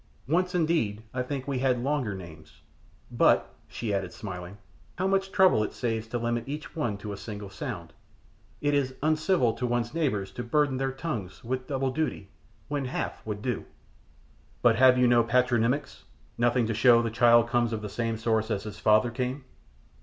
"Once indeed I think we had longer names, but," she added, smiling, "how much trouble it saves to limit each one to a single sound. It is uncivil to one's neighbours to burden their tongues with double duty when half would do." "But have you no patronymics nothing to show the child comes of the same source as his father came?"